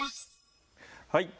はい。